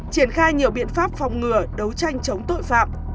triển khai nhiều biện pháp phòng ngừa đấu tranh chống tội phạm